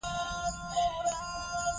د ده خاطرې د تاریخ یوه برخه ده.